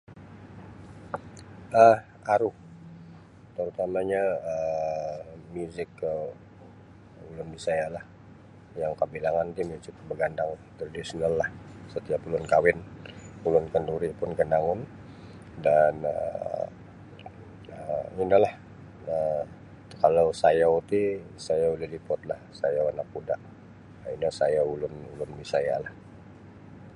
um aru patamanyo um muzik um ulun bisayalah yang kabilangan tu muzik bagandang muzik tradisionallah setiap ulun kawin ulun kenduri pun gunawon dan um ino lah um kalau sayau ti sayau lagi kuatlah sayau anak muda ino sayau ulun-ulun bisayalah